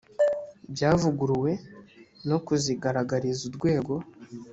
byavuguruwe no kuzigaragariza urwego